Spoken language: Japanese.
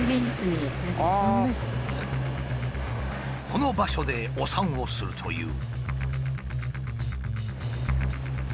この場所でお産をするという。